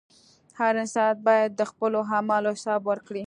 • هر انسان باید د خپلو اعمالو حساب ورکړي.